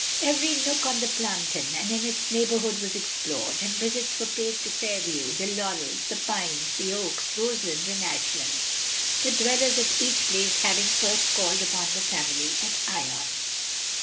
Every nook on the plantation and in its neighborhood was explored, and visits were paid to Fairview, the Laurels, the Pines, the Oaks, Roselands and Ashlands; the dwellers at each place having first called upon the family at Ion.